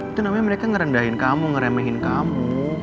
itu namanya mereka ngerendahin kamu ngeremehin kamu